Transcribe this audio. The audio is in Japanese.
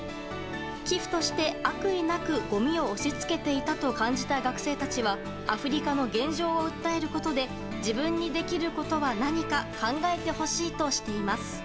寄付として、悪意なくごみを押し付けていたと感じた学生たちはアフリカの現状を訴えることで自分にできることは何か考えてほしいとしています。